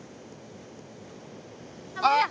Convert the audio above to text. あっ！